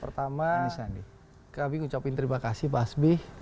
pertama kami mengucapkan terima kasih pak asbih